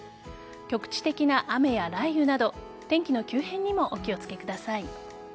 局地的な雨や雷雨など天気の急変にもお気を付けください。